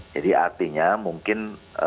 jadi artinya mungkin